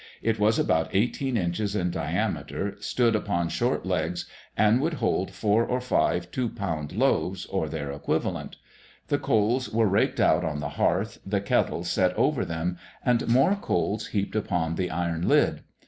It was about eighteen inches in diameter, stood upon short legs, and would hold four or five two pound loaves, or their equivalent. The coals were raked out on the hearth, the kettle set over them and more coals heaped upon the iron lid.